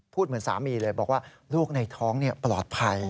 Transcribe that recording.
เหมือนสามีเลยบอกว่าลูกในท้องปลอดภัย